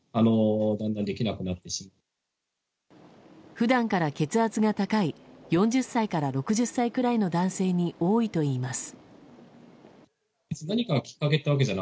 普段から血圧が高い４０歳から６０歳くらいの男性に多いといいます。